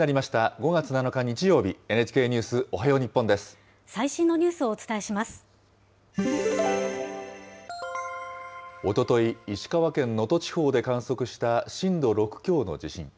５月７日日曜日、最新のニュースをお伝えしまおととい、石川県能登地方で観測した震度６強の地震。